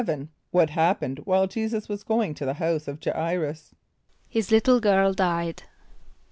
= What happened while J[=e]´[s+]us was going to the house of J[+a] [=i]´rus? =His little girl died.